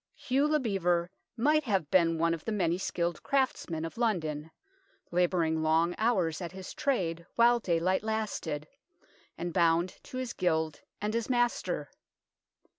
Hugh le Bevere might have been one of the many skilled craftsmen of London, labouring long hours at his trade while daylight lasted, and bound to his gild and his master.